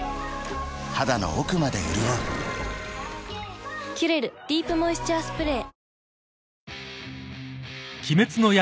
肌の奥まで潤う「キュレルディープモイスチャースプレー」